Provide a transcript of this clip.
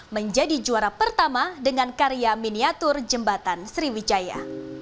menjadi juara pertama dengan karya miniatur jembatan sriwijaya